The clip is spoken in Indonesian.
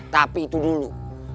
tapi itu dulu